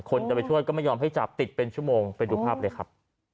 คนจะไปช่วยก็ไม่ยอมให้จับติดเป็นชั่วโมงไปดูภาพเลยครับ